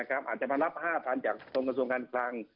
อาจจะมารับ๕๐๐๐บาทลงกระทรวงคันจัง